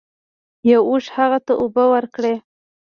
یو اوښ هغه ته اوبه ورکړې.